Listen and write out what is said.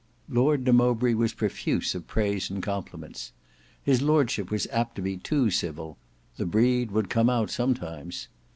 Lord de Mowbray was profuse of praise and compliments. His lordship was apt to be too civil. The breed would come out sometimes.